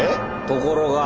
ところが。